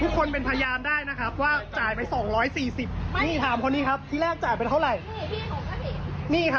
คลิปจะมาสองร้อยสี่สิบแล้วจะมาเอาโพกผมอีก